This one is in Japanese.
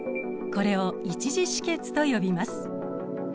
これを一次止血と呼びます。